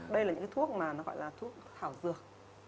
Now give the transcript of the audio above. đây là những thuốc gọi là thuốc thảo dược